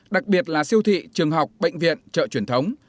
đặc biệt là siêu thị trường học bệnh viện chợ truyền thống